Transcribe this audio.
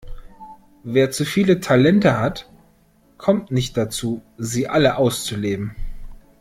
Wer zu viele Talente hat, kommt nicht dazu, sie alle auszuleben.